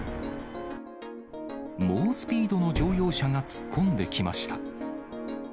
猛スピードの乗用車が突っ込んできました。